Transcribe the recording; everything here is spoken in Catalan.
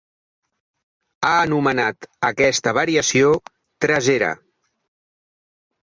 Ha anomenat aquesta variació "tresera".